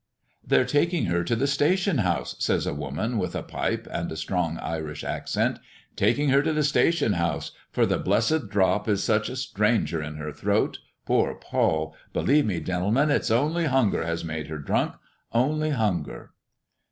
"They're taking her to the station house," says a woman with a pipe and a strong Irish accent "taking her to the station house, for the blessed dthrop is such a stranger in her throat poor Poll! believe me, gintlemin, it's only hunger has made her drunk only hunger!"